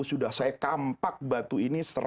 sudah saya kampak batu ini